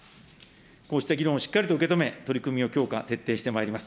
こうした議論をしっかりと受け止め、取り組みを強化、徹底してまいります。